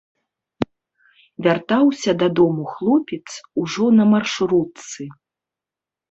Вяртаўся дадому хлопец ужо на маршрутцы.